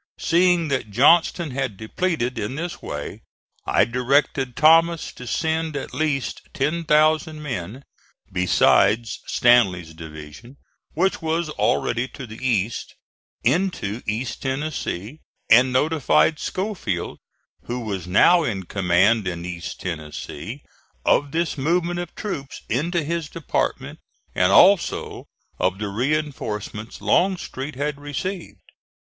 Seeing that Johnston had depleted in this way, I directed Thomas to send at least ten thousand men, besides Stanley's division which was already to the east, into East Tennessee, and notified Schofield, who was now in command in East Tennessee, of this movement of troops into his department and also of the reinforcements Longstreet had received.